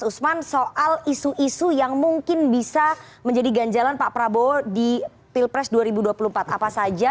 usman soal isu isu yang mungkin bisa menjadi ganjalan pak prabowo di pilpres dua ribu dua puluh empat apa saja